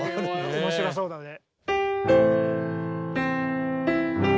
面白そうだね。